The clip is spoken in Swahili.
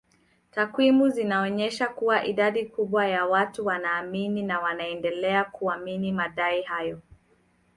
Takwimu zinaonyesha kuwa idadi kubwa ya watu wanaamini na wanaendelea kuamini madai hayo